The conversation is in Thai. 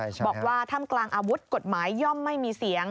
บอกว่าถ้ำกลางอาวุธกฎหมายย่อมไม่มีเสียง